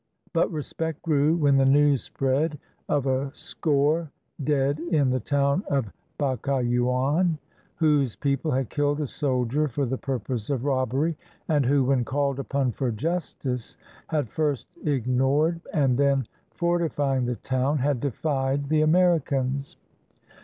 But respect grew when the news spread of a score dead in the town of Bacayauan, whose people had killed a soldier for the purpose of robbery, and who, when called upon for justice, had first ignored, and then, fortifying the town, had defied the Americans.